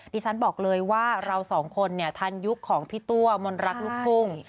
พี่ฉันบอกเลยว่าเรา๒คนทันยุคของพี่ตัวมณรักลูกทุ่ง